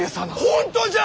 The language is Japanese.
本当じゃ！